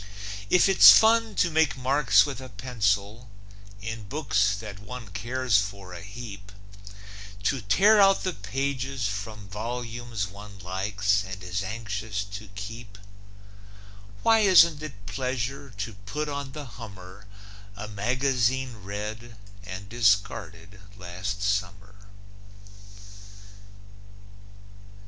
If it's fun to make marks with a pencil In books that one cares for a heap; To tear out the pages from volumes One likes and is anxious to keep, Why isn't it pleasure to put on the hummer A magazine read and discarded last summer?